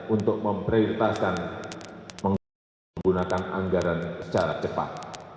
untuk memprioritaskan menggunakan anggaran secara cepat